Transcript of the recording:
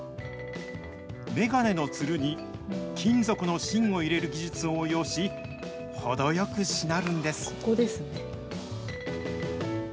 眼鏡のつるに金属の芯を入れる技術を応用し、程よくしなるんです。